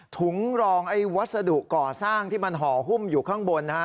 ถุงรองไอ้วัสดุก่อสร้างที่มันห่อหุ้มอยู่ข้างบนนะฮะ